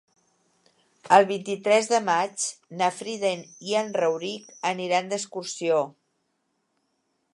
El vint-i-tres de maig na Frida i en Rauric aniran d'excursió.